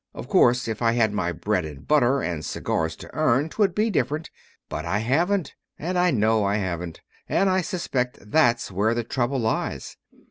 Of course, if I had my bread and butter and cigars to earn, 'twould be different. But I haven't, and I know I haven't; and I suspect that's where the trouble lies.